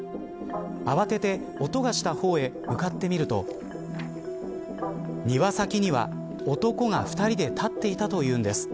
慌てて音がした方へ向かってみると庭先には男が２人で立っていたというんです。